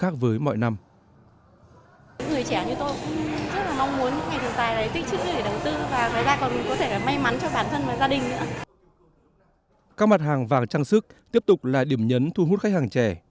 các mặt hàng vàng trang sức tiếp tục là điểm nhấn thu hút khách hàng trẻ